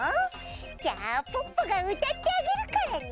じゃあポッポがうたってあげるからね。